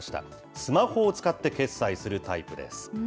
スマホを使って決済するタイプです。